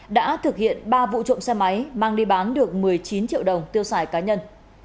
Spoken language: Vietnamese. đã thực hiện ba vụ trộm xe máy mang đi bán được một mươi chín triệu đồng tiêu xài cá nhân